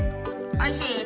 おいしい？